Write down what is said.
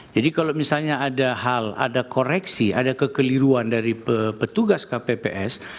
jadi kalau misalnya ada hal ada koreksi ada kekeliruan dari petugas kpps